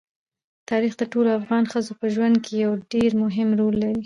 تاریخ د ټولو افغان ښځو په ژوند کې یو ډېر مهم رول لري.